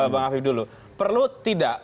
bang afi dulu perlu tidak